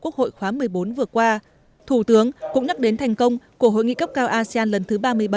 quốc hội khóa một mươi bốn vừa qua thủ tướng cũng nhắc đến thành công của hội nghị cấp cao asean lần thứ ba mươi bảy